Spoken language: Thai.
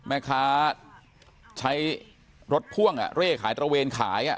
แม่ค้าใช้รถพ่วงเร่ขายตระเวนขาย